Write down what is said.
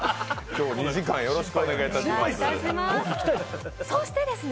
今日２時間よろしくお願いします。